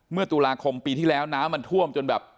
เมื่อตุลาคมปีที่แล้วน้ำมันท่วมจนแบบ